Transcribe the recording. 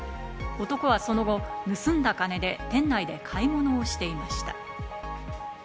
男はその後、盗んだ金で店内で買い物をしていました。